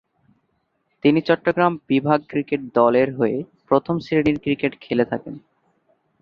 তিনি চট্টগ্রাম বিভাগ ক্রিকেট দল এর হয়ে প্রথম শ্রেণির ক্রিকেট খেলে থাকেন।